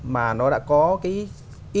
mà nó đã có cái